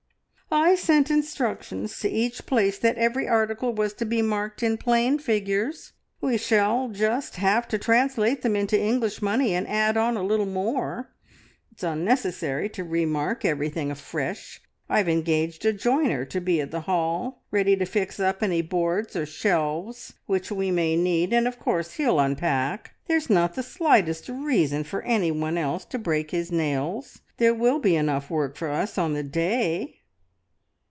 "I sent instructions to each place that every article was to be marked in plain figures. We shall just have to translate them into English money and add on a little more. It's unnecessary to re mark everything afresh. I've engaged a joiner to be at the hall ready to fix up any boards or shelves which we may need, and of course he'll unpack. There's not the slightest reason for any one else to break his nails; there will be enough work for us on the day."